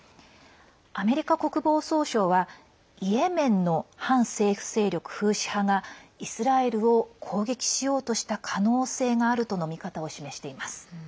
アメリカ国防総省はイエメンの反政府勢力フーシ派がイスラエルを攻撃しようとした可能性があるとの見方を示しています。